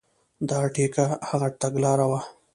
دا ټیک هغه تګلاره وه.